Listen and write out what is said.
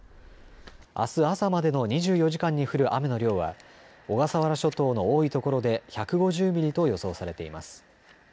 あす朝までの２４時間に降る雨の量は小笠原諸島の多いところで１５０ミリと予想されています。